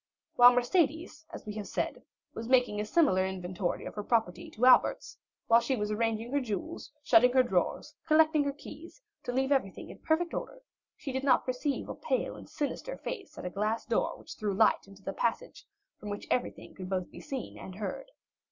While Mercédès, as we have said, was making a similar inventory of her property to Albert's, while she was arranging her jewels, shutting her drawers, collecting her keys, to leave everything in perfect order, she did not perceive a pale and sinister face at a glass door which threw light into the passage, from which everything could be both seen and heard.